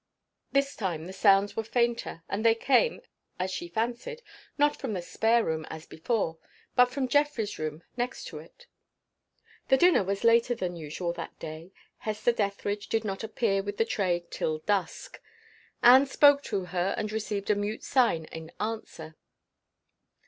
This time the sounds were fainter; and they came, as she fancied, not from the spare room, as before, but from Geoffrey's room, next to it. The dinner was later than usual that day. Hester Dethridge did not appear with the tray till dusk. Anne spoke to her, and received a mute sign in answer.